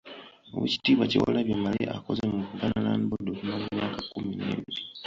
Oweekitiibwa Kyewalabye Male akoze mu Buganda Land Board okumala emyaka kkumi n'ebiri.